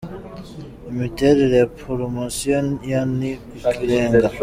Imiterere ya Poromosiyo ya Ni Ikirengaaa.